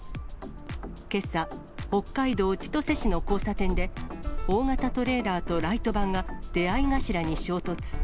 けさ、北海道千歳市の交差点で、大型トレーラーとライトバンが出会い頭に衝突。